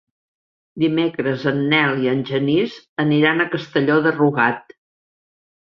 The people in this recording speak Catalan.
Dimecres en Nel i en Genís aniran a Castelló de Rugat.